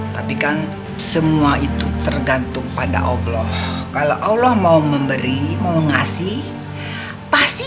tapi kan semua itu tergantung pada allah kalau allah mau memberi mau ngasih pasti